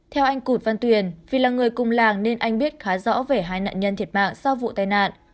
theo anh cụt văn tuyền vì là người cùng làng nên anh biết khá rõ về hai nạn nhân thiệt mạng sau vụ tai nạn